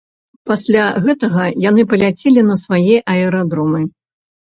Пасля гэтага яны паляцелі на свае аэрадромы.